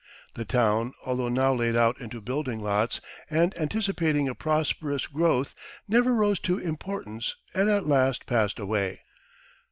The town, although now laid out into building lots, and anticipating a prosperous growth, never rose to importance and at last passed away.